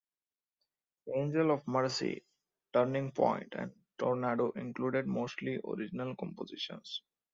"Angel of Mercy," "Turning Point," and "Tornado" included mostly original compositions.